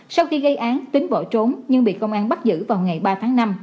sau khi gây án tính bỏ trốn nhưng bị công an bắt giữ vào ngày ba tháng năm